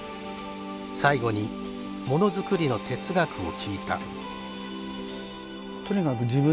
最後にものづくりの哲学を聞いた。